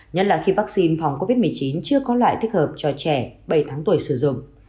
nhất là khi vaccine phòng covid một mươi chín chưa có loại thích hợp cho trẻ bảy tháng tuổi sử dụng